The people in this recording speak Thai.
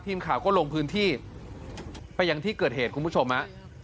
ทีมข่าวก็ลงพื้นที่ไปยังที่เกิดเหตุคุณผู้ชมฮะ